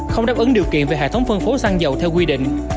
không đáp ứng điều kiện về hệ thống phân phối xăng dầu theo quy định